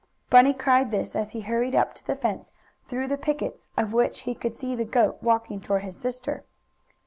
Bunny cried this as he hurried up to the fence, through the pickets of which he could see the goat walking toward his sister.